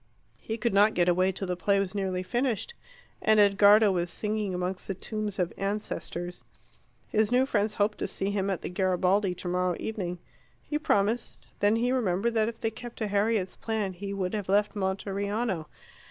He could not get away till the play was nearly finished, and Edgardo was singing amongst the tombs of ancestors. His new friends hoped to see him at the Garibaldi tomorrow evening. He promised; then he remembered that if they kept to Harriet's plan he would have left Monteriano.